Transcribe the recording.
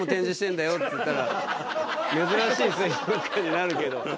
珍しい水族館になるけど。